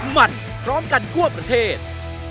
หมั่นพร้อมกันกลัวประเทศ